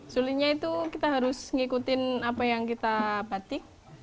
sulitnya itu kita harus ngikutin apa yang kita batik